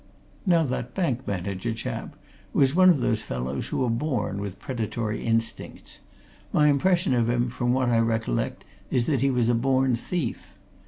Now that bank manager chap was one of those fellows who are born with predatory instincts my impression of him, from what I recollect, is that he was a born thief.